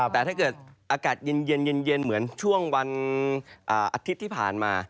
แต่ถ้าเกิดอากาศเย็นเหมือนช่วงวันอาทิตย์ที่ผ่านมา